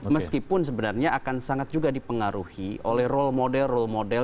meskipun sebenarnya akan sangat juga dipengaruhi oleh role model role model